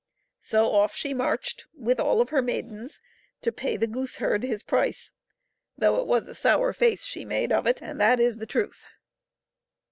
So off she marched, with all of her maidens, to pay the gooseherd his price, though it was a sour face she made of it, and that is the truth.